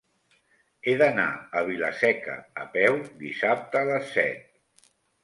He d'anar a Vila-seca a peu dissabte a les set.